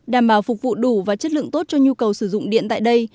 đảm bảo phục vụ đủ và chất lượng tốt cho nhu cầu sử dụng điện tại đây